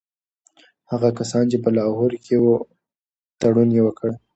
هغه کسان چي په لاهور کي وو تړون یې وکړ.